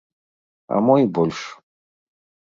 А мо і больш.